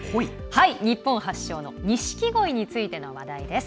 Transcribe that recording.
日本発祥の錦鯉についての話題です。